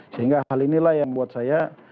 sehingga hal inilah yang buat saya